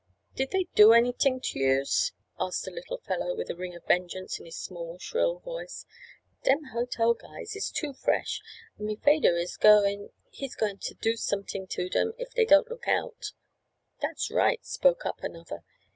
"Did they do anyt'ing to youse?" asked a little fellow with a ring of vengeance in his small, shrill voice. "Dem hotel guys is too fresh, an' me fader is goin'—he's goin' t' do somet'ing to dem if dey don't look out." "Dat's right," spoke up another.